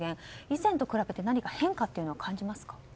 以前と比べて何か変化というのは感じますか？